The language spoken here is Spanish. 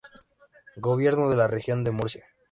Gobierno de la Región de Murcia.